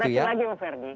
tekorasi lagi pak ferdi